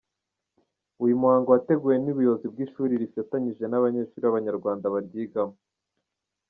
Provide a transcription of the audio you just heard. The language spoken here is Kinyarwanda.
Uyu muhango wateguwe n’ubuyobozi bw’iri shuri rifatanije n’abanyeshuri b’Abanyarwanda baryigamo.